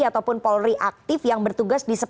ataupun polri aktif yang bertugas di